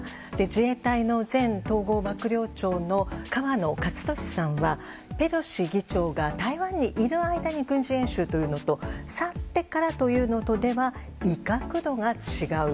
自衛隊の前統合幕僚長の河野克俊さんはペロシ議長が台湾にいる間に軍事演習というのと去ってからというのとでは威嚇度が違う。